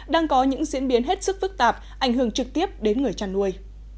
đang có những diễn biến hết sức phức tạp ảnh hưởng trực tiếp đến người chăn nuôi